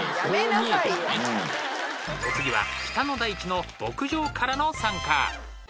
お次は北の大地の牧場からの参加